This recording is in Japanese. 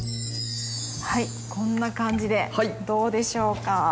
こんな感じでどうでしょうか？